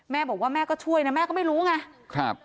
แม่บอกว่าแม่ก็ช่วยนะแม่ก็ไม่รู้ไง